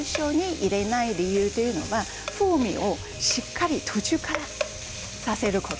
入れない理由というのは風味をしっかり途中からさせること。